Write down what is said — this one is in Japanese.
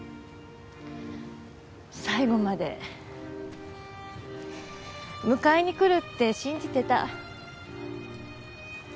最後まで迎えに来るって信じてた。